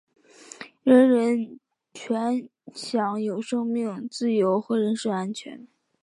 人人有权享有生命、自由和人身安全。